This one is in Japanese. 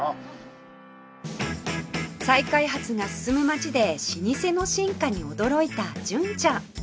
再開発が進む街で老舗の進化に驚いた純ちゃん